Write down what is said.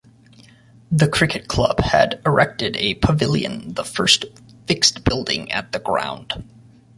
The cricket club had erected a pavilion, the first fixed building at the ground.